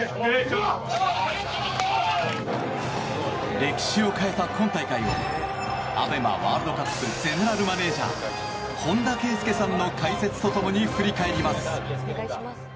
歴史を変えた今大会をＡＢＥＭＡワールドカップゼネラルマネジャー本田圭佑さんの解説と共に振り返ります。